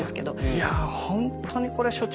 いやほんとにこれ所長